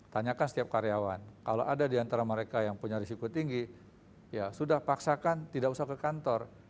tanyakan setiap karyawan kalau ada di antara mereka yang punya risiko tinggi ya sudah paksakan tidak usah ke kantor